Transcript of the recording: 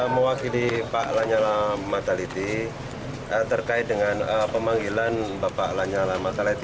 mewakili pak lanyala mataliti terkait dengan pemanggilan bapak lanyala mataliti